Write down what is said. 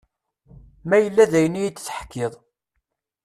Ma yella d ayen iyi-d-teḥkiḍ.